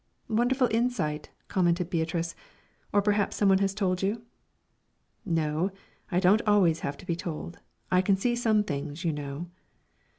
"Wonderful insight," commented Beatrice. "Or perhaps some one has told you?" "No, I don't always have to be told. I can see some things, you know."